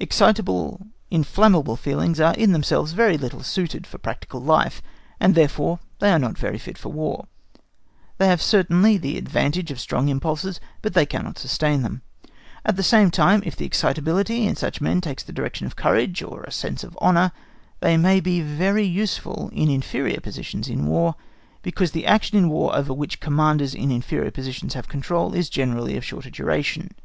Excitable, inflammable feelings are in themselves little suited for practical life, and therefore they are not very fit for War. They have certainly the advantage of strong impulses, but that cannot long sustain them. At the same time, if the excitability in such men takes the direction of courage, or a sense of honour, they may often be very useful in inferior positions in War, because the action in War over which commanders in inferior positions have control is generally of shorter duration.